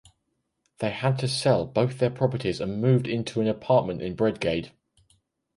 They had to sell both their properties and moved into an apartment in Bredgade.